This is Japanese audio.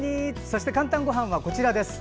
そして、「かんたんごはん」はこちらです。